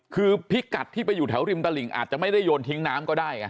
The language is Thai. คือพิกัดที่ไปอยู่แถวริมตลิ่งอาจจะไม่ได้โยนทิ้งน้ำก็ได้ไง